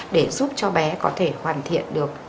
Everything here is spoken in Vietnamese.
để giúp cho bé có thể hoàn thiện được